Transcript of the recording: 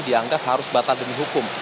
dianggap harus batal demi hukum